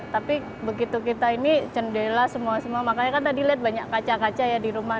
tapi begitu kita ini jendela semua semua makanya kan tadi lihat banyak kaca kaca ya di rumah